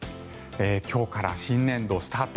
今日から新年度スタート。